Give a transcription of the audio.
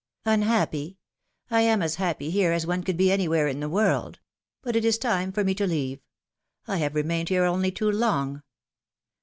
'^Unhappy! I am as happy here as one could be any where in the world. But it is time for me to leave ; I have remained here only too long.